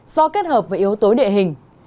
do kết hợp với yếu tố địa hình